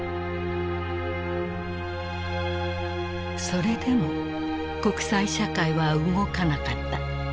それでも国際社会は動かなかった。